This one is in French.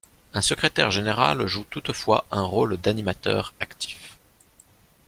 Un secrétaire général joue toutefois un rôle d'animateur actif.